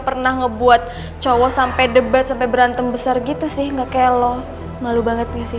pernah ngebuat cowok sampai debat sampai berantem besar gitu sih gak kayak lo malu banget gak sih